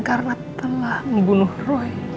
karena telah membunuh roy